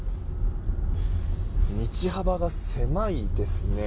道幅が狭いですね。